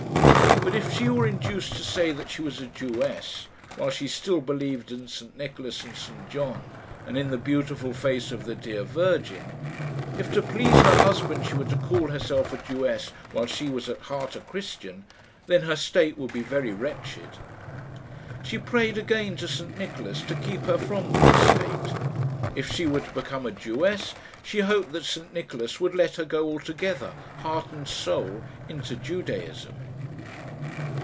But if she were induced to say that she was a Jewess, while she still believed in St Nicholas and St John, and in the beautiful face of the dear Virgin if to please her husband she were to call herself a Jewess while she was at heart a Christian then her state would be very wretched. She prayed again to St Nicholas to keep her from that state. If she were to become a Jewess, she hoped that St Nicholas would let her go altogether, heart and soul, into Judaism.